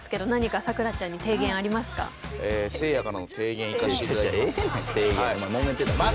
せいやからの提言いかしていただきます。